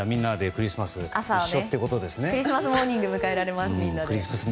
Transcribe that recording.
クリスマスモーニングを迎えられます。